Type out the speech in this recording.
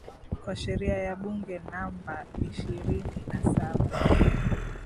kwa sheria ya Bunge namba ishirini na Saba